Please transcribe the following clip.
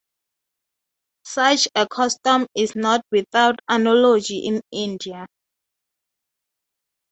Such a custom is not without analogy in India.